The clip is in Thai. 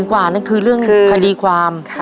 ๔๐๐๐๐บาทก็คือเรื่องคดีความค่ะ